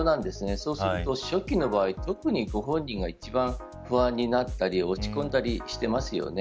そうすると初期の場合は特にご本人が一番不安になったり落ち込んだりしてますよね。